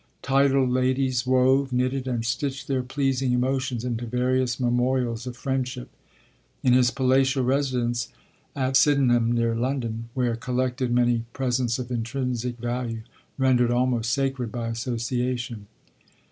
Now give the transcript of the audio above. Titled ladies wove, knitted and stitched their pleasing emotions into various memorials of friendship. In his palatial residence at Sydenham, near London, were collected many presents of intrinsic value, rendered almost sacred by association.